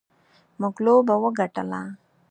موږ لوبه وګټله.